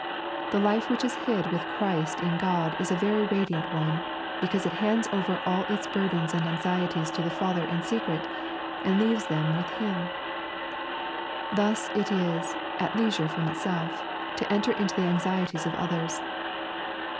The life which is hid with Christ in God is a very radiant one, because it hands over all its burdens and anxieties to the Father in secret, and leaves them with Him. Thus it is " at leisure from itself," to enter into the anxieties of others.